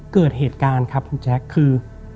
เกิดเหตุการณ์ครับคุณแจ๊คคือ